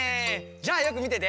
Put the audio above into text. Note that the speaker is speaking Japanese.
じゃあよくみてて！